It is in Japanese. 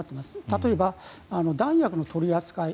例えば弾薬の取り扱い